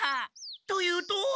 というと？